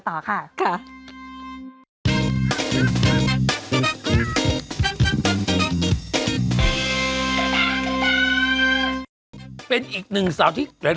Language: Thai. เต้นเป้นเก่งทุกอย่าง